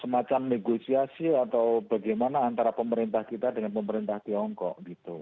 semacam negosiasi atau bagaimana antara pemerintah kita dengan pemerintah tiongkok gitu